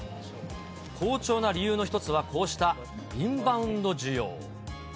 好調な理由の一つはこうしたインバウンド需要。